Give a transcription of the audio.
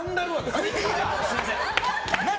すみません。